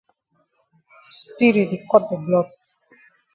Spirit di cut de blood.